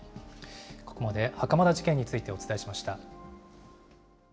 ここまで袴田事件についてお伝えしました。